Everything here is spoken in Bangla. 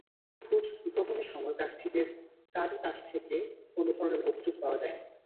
ভোট গ্রহণের সময় প্রার্থীদের কারও কাছ থেকে কোনো ধরনের অভিযোগ পাওয়া যায়নি।